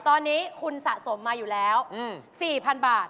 ตอนนี้คุณสะสมมาอยู่แล้ว๔๐๐๐บาท